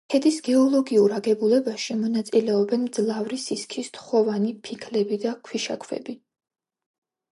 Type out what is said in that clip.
ქედის გეოლოგიურ აგებულებაში მონაწილეობენ მძლავრი სისქის თიხოვანი ფიქლები და ქვიშაქვები.